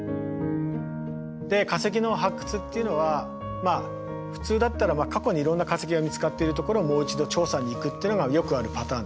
で化石の発掘っていうのはまあ普通だったら過去にいろんな化石が見つかってるところをもう一度調査に行くっていうのがよくあるパターンです。